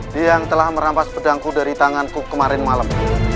dia yang telah merampas pedangku dari tanganku kemarin malam